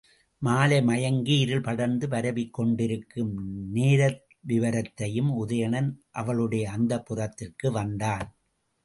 மாலை மயங்கி இருள் படர்ந்து பரவிக் கொண்டிருக்கும் நேரத்விவரத்தையும், உதயணன் அவளுடைய அந்தப்புரத்திற்கு வந்தான்.